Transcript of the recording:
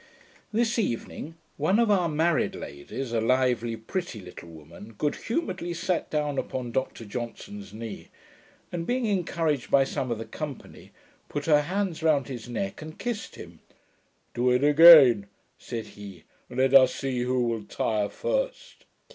This evening one of our married ladies, a lively pretty little woman, good humouredly sat down upon Dr Johnson's knee, and, being encouraged by some of the company, put her hands round his neck, and kissed him. 'Do it again,' said he, 'and let us see who will tire first.'